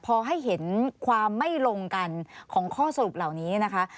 พอให้เห็นความไม่ลงกันของข้อสรุปเหล่านี้นะคะ